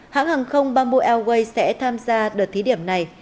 hãng hàng không bamboo airways sẽ tham gia đợt thí điểm này